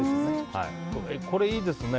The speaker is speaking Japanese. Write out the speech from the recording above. これいいですね。